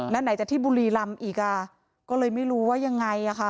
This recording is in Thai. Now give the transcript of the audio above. แล้วไหนจะที่บุรีรำอีกอ่ะก็เลยไม่รู้ว่ายังไงอ่ะค่ะ